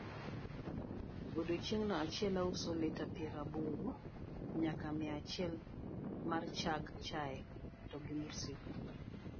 odiochieng' achiel ouso lita piero aboro nyaka mia achiel marchag chae togi mursik